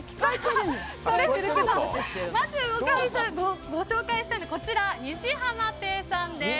それではまずご紹介したいのはこちら、西浜亭さんです。